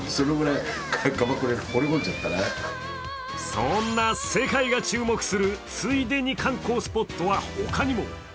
そんな世界が注目するついでに観光スポットは他にも。